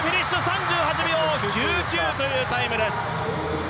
３８秒９９というタイムです。